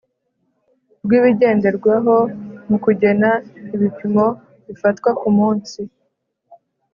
rw ibigenderwaho mu kugena ibipimo bifatwa ku munsi